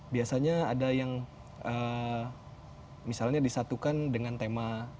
biasanya ada yang misalnya disatukan dengan tema